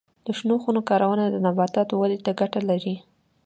د شنو خونو کارونه د نباتاتو ودې ته ګټه لري.